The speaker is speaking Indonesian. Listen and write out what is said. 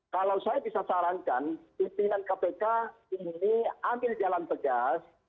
kalau saya bisa sarankan pimpinan kpk ini ambil jalan tegas